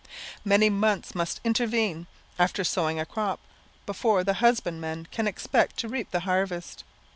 Many months must intervene, after sowing a crop, before the husbandman can expect to reap the harvest.